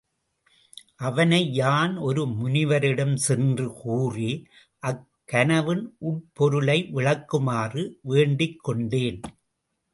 அவனை யான் ஒரு முனிவரிடம் சென்று கூறி அக் கனவின் உட்பொருளை விளக்குமாறு வேண்டிக்கொண்டேன்.